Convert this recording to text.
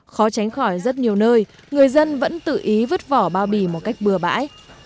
khó tránh khỏi rất nhiều nơi người dân vẫn tự ý vứt vỏ bao bì một cách bừa bãi